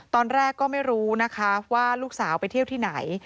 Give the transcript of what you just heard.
ตอนแรกก็ไม่รู้นะคะว่าลูกสาวไปเที่ยวที่ไหน